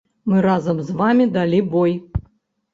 Мы разам з вамі далі бой.